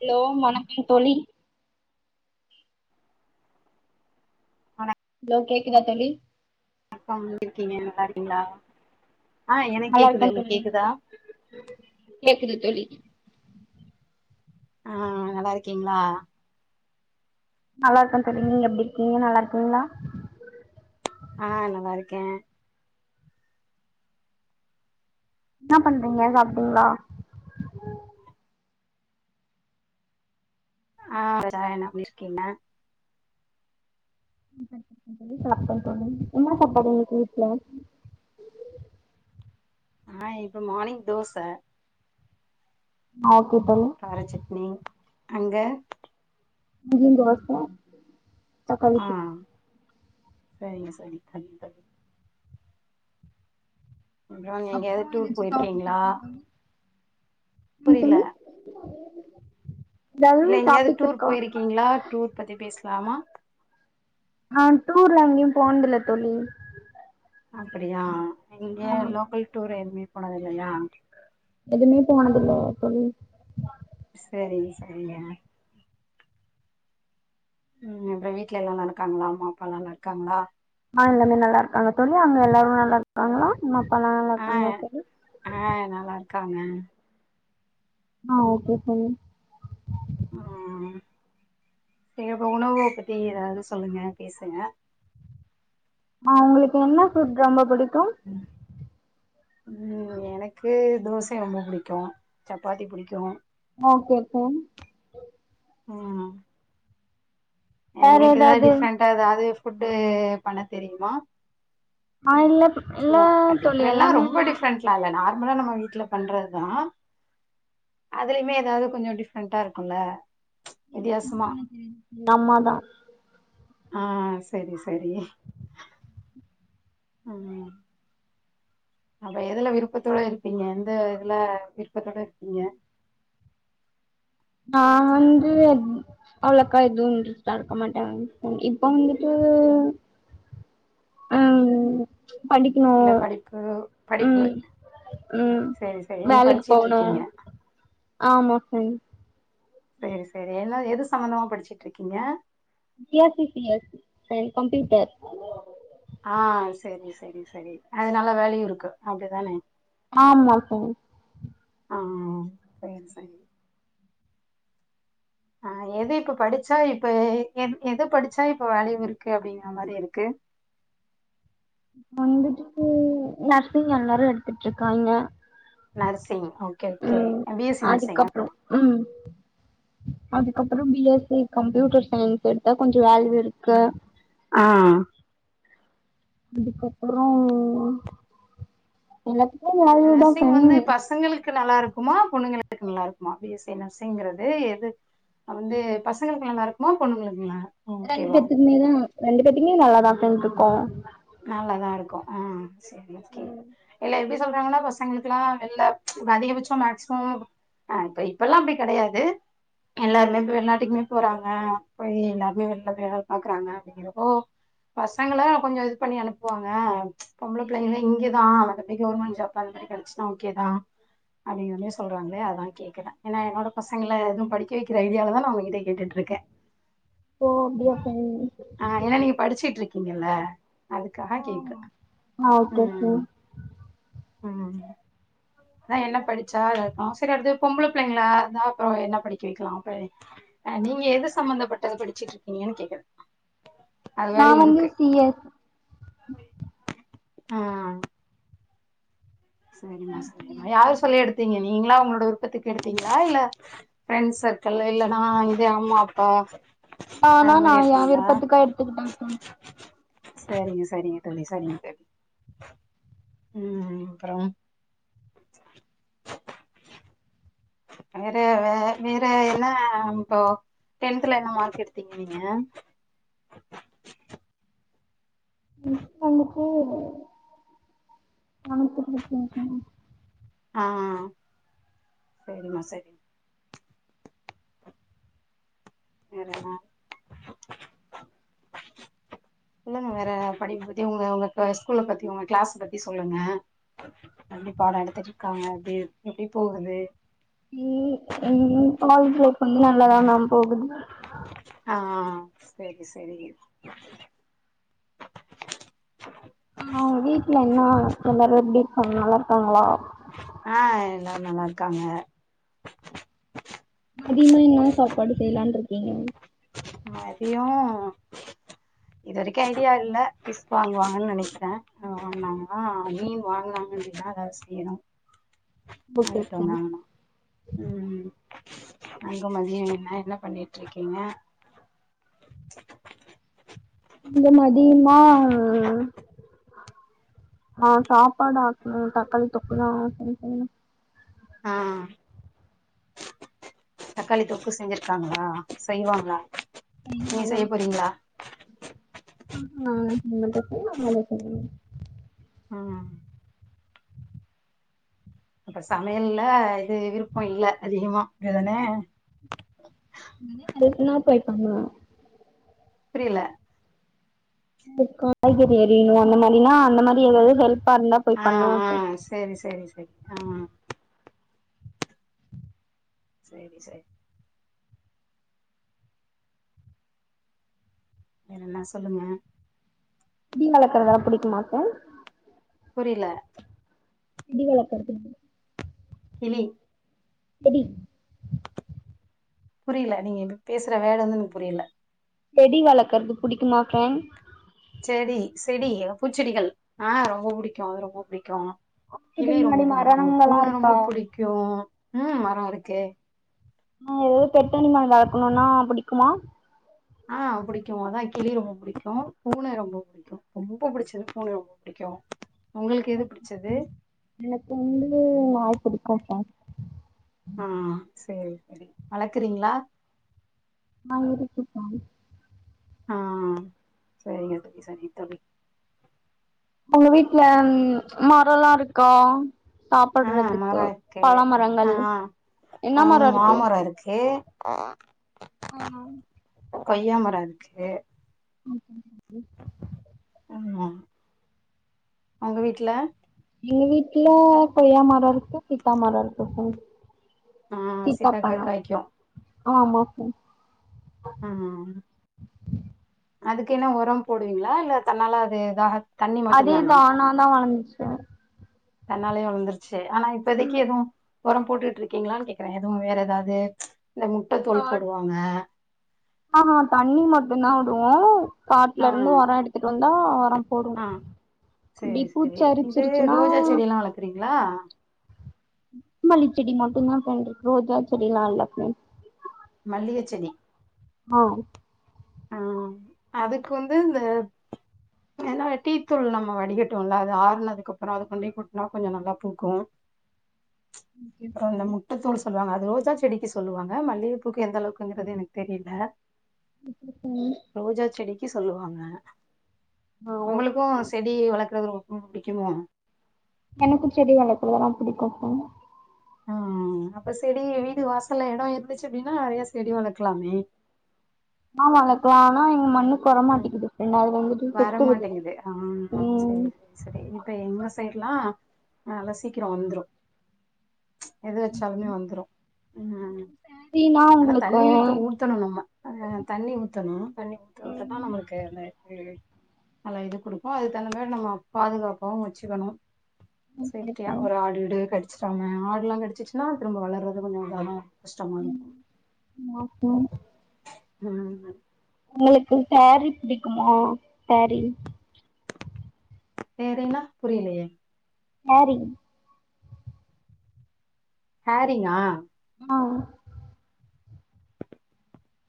Hello வணக்கொ தோழி hello கேக்குதா தோழி அக்கா [inaudible] இருக்கீங்க நல்லா இருக்கீங்ளா நல்லா இருக்கம் தோழி கேக்குது தோழி ஆஹ் நல்லா இருக்கீங்ளா நல்லா இருக்கோ தோழி நீங்க எப்டி இருக்கீங்க நல்லா இருக்கீங்ளா ஆஹ் நல்லா இருக்கே என்ன பண்றீங்க சாப்ட்டீங்ளா ஆஹ் [unintelligible] சாப்ட்ட தோழி என்ன சாப்பாடு இன்னைக்கு வீட்ல ஆஹ் இப்ப மார்னிங் தோச மாவு கார சட்னி அங்க இங்கயு தோச தக்காளி சட்னி செரிங்க செரி கண்ட ப்றோ எங்கயாவ்து டூர் போயிருக்கீங்ளா ம் புரியல தோழி இல்ல ஏதாவது எங்கயாவ்து டாபிக் டூர் இருக்கா போயிருக்கீங்ளா டூர் பத்தி பேசலாமா ஆ டூர்லா எங்கயு போன்தில்ல தோழி அப்டியா அஹ் இங்க ஆமா லோக்கல் டூர் எதுமே போனதில்லையா எதுமே போனதில்ல தோழி செரி செரிங்க உம் அப்றோ வீட்ல எல்லா நல்லக்காங்ளா அம்மாப்பா எல்லா நல்லாருக்காங்ளா ஆஹ் எல்லாமே நல்ல இருக்காங்க தோழி அங்க எல்லாரு நல்லா இருக்காங்ளா அம்மாப் ப்பாலா நல்லாருக்காங்ளா தோழி காங்க ஆஹ் ஓகே சொல்லு ஆமா தெரிந்த உணவப் பத்தி எதாவ்து சொல்லுங்க பேசுங்க ஆஹ் உங்களுக்கு என்ன ஃபுட் ரொம்ப புடிக்கு உம் எனக்கு தோசை ரொம்ப புடிக்கு சப்பாத்தி புடிக்கு ஓகே கோன் அஹ் வேற எங்களுக்கு எதாது ஏதாவது டிஃப்ரெண்டா எதாவ்து ஃபுட்டு் பண்ணத் தெரியுமா ஆஹ் இல்ல இல்லே சும்மா தோழி எல்லாமே மலா நம்ம வீட்ல பண்றதுதா அதுலைமே எதாவ்து கொஞ்சோ டிஃப் ரெண்ட்டா இருக்குல நம்மதா ஆ செரி செரி ஆ அப்ப எதுல விருப்பத்தோட இருப்பீங்க எந்த இதுல விருப்பத்தோட இருப்பீங்க நா வந்து அவ்ளக்கா எதுா இன்ஸ்டா இருக்க மாட்டே இப்ப வந்துட்டு ஆ இல்ல படிப்பு படிப்பு ம் ம் சரி சரி நீங்க வேலைக்கு படிச்சிட்டு போகணூ இருக்கீங்க. ஆமா சைன் செரி செரி ஏனா எது சம்பந்தமா படிச்சுட்ருக்கீங்க. பி எஸ்சி சி எஸ் அ கம்ப்யூட்டர் ஆ செரி செரி செரி அதுல நல்ல வேலையூ இருக்கு அப்டிதானே ஆமா தோழி ஆ செரி செரி ஆ எது இப்ப படிச்சா இப்ப எ எத படிச்சா இப்ப வேல்யூ இருக்கு அப்டிங்கிற மாரி இருக்கு வந்துட்டு நர்சிங் எல்லாரூ எடுத்துட்ருக்காங்க nursing, okay okay B Sc நர்சிங்கா அதுக்கப்றோ ம் அதுக்கப்றோ பி எஸ்சி கம்ப்யூட்டர் சயின்ஸ் எடுத்தா கொஞ்சோ வேல்யூ இருக்கு ஆ அதுக்கப்றோ எல்லாத் நர்சிங் வந்து பசங்களுக்கு நல்லாருக் க்குமா பொண்ணுங்களுக்கு நல்லாருக்குமா பி எஸ்சி நர்சிங்கிறது எது வந்து பசங்களுக்கு நல்லாருக்குமா பொண்ணுங்களுக்கு நல்லா ரெண்டு ஓகேவா? பேத்தக்குமே தா ரெண்டு பேத்திக்குமே நல்லாதா தோழி இருக்கோ நல்லாதாருக்கூ ஆ செரி ஓகே இல்ல எது சொல்றாங்கன்னா பசங்களுக்குல்லா வெள்ல அதிகபட்சம் மேக்சிமம் அ இப்ப இப்பல்லா அப்டி கெடையாது எல்லாருமே வெளிநாட்டுக்குமே போறாங்க போய் எல்லாருமே வெள்ல போய் பாக்குறாங்க அப்டிங்கறப்போ பசங்கலா கொஞ்சோ பண்ணி அனுப்புவாங்க பொம்பள பிள்ளைங்கள இங்கேதா [unintelligible] கவர்மெண்ட் ஜாப் [unintelligible] கெடச்டா ஓகே தா அப்படிங்கிறதுமே சொல்றங்களே அத்னால கேக்றே ஏனா என்னோட பசங்கள எதூம் படிக்க வைக்கிற ஐடியால தா நான் உங்க கிட்டே கேட்டுட்டுருக்கே ஓ அப்டியா செரி கீங்கல்ல ஆமா ஆ ஓகே ச ம் ம் அதா என்ன படிச்சா [unintelligible] செரி அது பொம்பளை பிள்ளைங்களா அதா அப்றோ என்ன படிக்க வெக்லா நீங்க எது சம்பமந்தப்பட்டத படிச்சுட்ருக்கீங்கன்னு கேக்றே நான் வந்து சி எஸ் ஆ செரிமா செரிமா யாரு சொல்லி எடுத்தீங்க நீங்களா உங்க க விருப்பத்துக் எடுத்தீங்ளா இல்ல ஃப்ரண்ட்ஸ் சர்க்கிளு இல்லனா இது அம்மா அப்பா அந்த நானா நா மாரி ஏ எடுத்தீங்களா விருப்பத்துக்கா எடுத்துக்கிட்டே தோழி செரிங்க செரிங்க தோழி செரிங்க தோழி ம் அப்றம், வேற வே வேற, என்ன இப்போ டென்தல என்ன மார்க் எடுத்தீங்க நீங்க [unintelligible] ஸ்கூல்லே [inaudible] ஆஹ் செரிமா செரி செரிம்மா இல்லங்கங்க வேற படிப்புபத்தி உங்க உங்க க ஸ்கூல்ல பத்தி உங்க கிளாஸ் பத்தி சொல்லுங்க. எப்டி பாடம் எடுத்துட்டு இருக்காங்க எப்டி எப்டி போகுது உம் எங்க கிளாஸ்ல பொண்ணு நல்லாதா மேம் போகுது ஆஹ் செரி செரி ஆஹ் உங்க வீட்டுல என்ன எல்லாரும் எப்டி இருக்காங்க நல்லா இருக்காங்களா ஆஹ் எல்லாரு நல்லா இருக்காங்க மத்தியமா என்னா சாப்பாடு செய்யலா இருக்கீங்க மதியோம் இது வரைக்கும் ஐடியா இல்ல பிஸ்வாங்குவாங்கன்னு நெனைக்கிறே வாங்கினாங்கன்னா மீன் வாங்கினாங்கதா ஏதாவ்து செய்ணும ஓகே வாங்ட்டு ஓகே வந்தாங்கன்னா உம் அங்க மதியோ என்ன என்ன பண்ணிட்டு இருக்கீங்க இந்த மதியமா ஆஹ் சாப்பாடு ஆக்கணு தக்காளி தொக்கு தா ஆக்கணு தோழி ஆஹ் தக்காளி தொக்கு செஞ்சிருக்காங்களா செய்வாங்களா நீங்க செய்ய போறீங்களா ஆஹ நாங்கங்களே சொஞ்சிருக்கோ [inaudible] உம் அப்ப சமையல்ல இது விருப்பம் இல்ல அதிகமா ஏதானே னா [unintelligible] போய்பங்க புரியல காய்கறி அறியணும் அந்த மாதிரனா அந்த மாதிரி ஏதாவ்து ஹெல்ப் ஆஹ் ஆஹ் செரி செரி செரி ஆமா செரி செரி வேறன்னா சொல்லுங்க மீன் வளக்கறதெல்லா புடிக்குமாக்கு புரில கிளி வளக்கறது புடிக் கிளி எப்டி புரியல நீங்க பேசுற வேர்ட் வந்து எனக்கு புரியல செடி வளக்கறது புடிக்குமா என் ஃப்ரெண் செடி செடி பூச்செடிகள் ஆஹ் ரொம்ப புடிக்கு அது ரொம்ப புடிக்கு கிளி வீட்டுக்கு ரொம்ப முன்னாடி புடிக்கு மரணங்கள்லா பூன இருக்கா ரொம்ப புடிக்கு உம் மரோ இருக்கே ஆஹ் ஏதாவ்து பெட் அனிமல் வளக்ணும்னா புடிக்குமா ஆஹ் புடிக்கு அதா கிளி ரொம்ப புடிக்கு பூன ரொம்ப புடிக்கு ரொம்ப புடிச்சது பூன ரொம்ப புடிக்கு உங்களுக்கு எது புடிச்சது எனக்கு வந்து நாய்புடிக் [unintelligible] ஆஹ் சரி வளக்குறீங்களா ஆ இருக்குபமேம் ஆஹ் சரிங்க சரி தோழி உங்க வீட்டுல மரல்லாம் இருக் கா ஆ சாப்படுறதுக்கு மரோ இருக்கு பழ ஆ மரங்கள் என்ன மரம் இருக்கு ஆ ஆஹ்ஹ கொய்யாமரம் இருக்கு [unintelligible] உம் உங்க வீட்டு்ல எங்க வீட்டு்ல கொய்யா மரம் இருக்கு சீத்தா மரம் இருக்கு ஆஹ் சீத்தாக்க காய்க்கும் ஆமாப்ப ஹ் அதுக்கு என்ன உரம் போடுவீங்களா இல்ல தன்னால அது எதாக அதேதான் ந தான் வளர்ந்துச்சேன் தன்னாலயும் வளர்ந்துருச்சு ஆனா இப்ப எதைக்கு ஏதுவும் உரம் போட்டுட்டு இருக்கீங்களான்னு கேக்குறேன் எதுவும் வேற ஏதாவது இந்த முட்டை தோல் போடுவாங்க ஆஹ்ஹ தண்ணி மட்டம்தான் விடுவோம் காட்டுல இருந்து உரம் எடுத்துட்டு வந்து தா உரம் ஆஹ் செரி செரி இது அரிச்சிருச்சுன்னா ரோஜா செடி எல்லாம் வளர்கக்குறீங்களா மல்லி செடி மட்டும் தான் பேன்றுக் ரோஜ செடிலான் வளக்கல்ல மல்லிகை செடி ஆஹ் ஆஹ் அதுக்கு வந்து இந்த என்ன டீத்தூள் நம்ம வடிகட்டோம்ல அது ஆறுனதுக்கு அப்புறம் அதது கொண்டேய கூட்டனா கொஞ்சம் நல்லா பூக்கும் அப்புறம் இந்த முட்டை தூள் சொல்லுவாங்க அது ரோஜா செடிக்கு சொல்லுவாங்க மல்லிகை பூக்கு எந்த அளவுக்குங்கிறது எனக்கு தெரியல ஓகே தோழி க்கு சொல்லுவாங்க ஓகே உங்களுக்கும் ஃப்ரெண்ட் செடி வளர்க்கறது ரொம்ப பிடிக்குமோ எனக்கும் செடி வள்பறதெல்லாம் புடிக்கும் ஆஹ் அப்ப செடி வீடு வாசல இடம் இருந்துச்சு அப்படின்னா நிறைய செடி வளர்க்கலாமே ஆ வளக்கலாம் ஆனா எங்க மண்ணு வர மாட்டிக்கிது [unintelligible] வரமாட்டேங்கிது ஆ சேரி சேரி இப்ப எங்க சைட்லா அனாலா சீக்கிரொ வந்த்ரு ச் எது வச்சாலுமே வந்துரும். ம் சேரினா ஆனா உங்களுக்கு தண்ணி வித்த ஊத்தணும் நம்ம அ தண்ணி ஊத்தணும். தண்ணி ஊத்துறது தான் ம் நம்மளுக்கு அ நல்லா இது குடுக்கும் அது தனியா நம்ம பாதுகாப்பாவும் வச்சுக்கணும். ஓகே சக்கியா ஃப்ரெண்ட் ஒரு ஆடு டு கட்ச் செம ஆடெல்லாம் கடிச்சுச்சுன்னா திரும்ப வளர்றது கொஞ்சம் சிரமம் [unintelligible] ம் நப்ப ம் உங்களுக்கு சேரீ பிடிக்குமா. சேரீ சேரீனா புரியலையே. சேரி ஹேரிங்கா. ஆ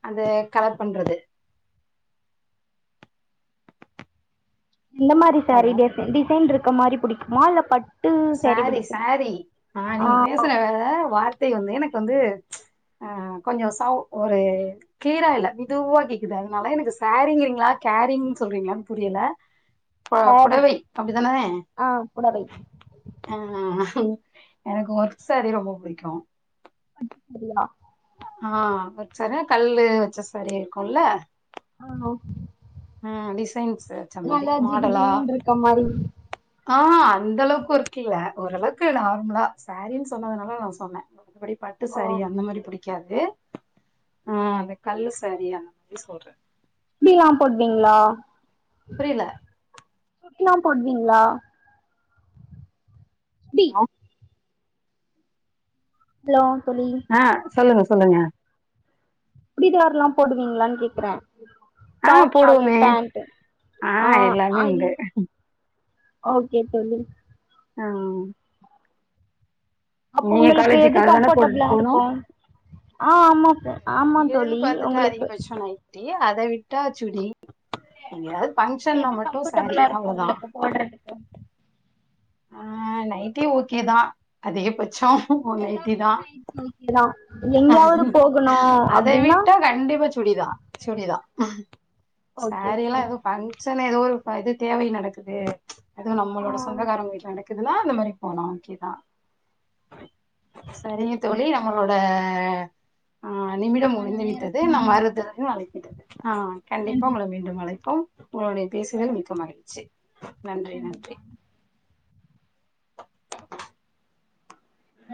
அது கலசம்கறது. இந்த மாரி சாரீ ஹலோ டி டிசைன் இருக்கற மாரி புடிக்குமா இல்ல பட் சேரி சேரி ஆ நீங்க பேசுற வேற வார் தை வந்து எனக்கு வந்து ஆ கொஞ்சொ சௌ ஒரு க்ளீரா இல்ல மெதுவா கேக்குது அதுனால எனக்கு சேரிங்கிறீங்ளா கேரிங்ன் சொல்றீங்ளான் புரியல பொ சேரீ புடவை அப்டிதான ஆ புடவை ஆ எனக்கு ஒர்க் சாரி ரொம்ப புடிக்கு அப்டியா ஆ ஒர்க் சாரினா கல்லு வச்ச சாரி இருக்குல்ல ஆ அ டிசைன்ஸ் வச்ச மாரி மாடலா ஆ அந்தளவுக்கு ஒர்க்கில்ல ஓரளவுக்கு நார்மலா சாரீனு சொன்னதுனால நா சொன்ன அப்டி பட்டு ஓ சாரி அந்த மாரி புடிக்காது ஆ அந்த கல்லு சாரி அந்த மாரி சொல்ற [unintelligible] போடுவீங்ளா புரிய்ல சுடிலா போடுவீங்ளா சுடி ஆ ஹலோ தோழி ஆ சொல்லுங்க சொல்லுங்க சுடிதாருலா போடுவீங்களான்னு கேக்குறேன். அ போடுவோமே. ஆ எல்லாமே அது உண்டு ஓகே தோழி ஆ அப்ப நீங்க உங்குளுக்கு எது காலேஜுக்கு அதுதானே கம்பஃர்டபுளா போட்டுட்டு போனு இருக்கோ ஆ ஆமா ஆமா தோழி உங்குளுக்கு ஏ அத விட்டா சுடி எங்யாத் எது கம்ஃபர்ட்டபிளா இருக்கோ உங்குளுக்கு போடுறதுக்கு ஆ நைட்டே ஓகேதா அதிகபட்சோ தூங்கும்போ நைட்டிதா இதா எங்கயாவது போகணு அத அப்டின்னா விட்டா கண்டிப்பா சுடிதா சுடி சுடி தா ஓகே சாரிலா எதுவும் ஃபங் கிட்சன்ல ஏதோ ஒரு இது தேவை நடக்குது ச் அது ஆ நம்மளட சொந்தகாரங்க வீட்ல நடக்குது இதுல இந்த மாரி போனா ஓகேதா சரிங்க தோழி நம்மளோட அ அ அ அ நிமிடம் முடிந்து விட்டது நான் மறுத்ததன்னு அழைக்கிட்டது அ கண்டிப்பா உங்கள மீண்டும் அழைப்போம் உங்களுட பேசுதல் மிக்க மகிழ்ச்சி நன்றி நன்றி